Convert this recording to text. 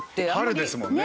春ですもんね。